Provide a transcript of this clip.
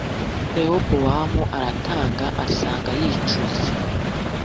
rehobowamu aratanga asanga yicuze.